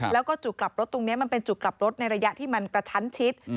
แล้วก็จุดกลับรถตรงนี้มันเป็นจุดกลับรถในระยะที่มันกระชั้นชิด